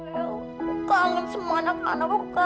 nah yang ada masih tua makanya betulan